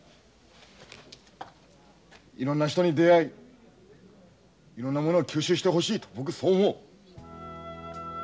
いろんな人に出会いいろんなものを吸収してほしいと僕そう思う。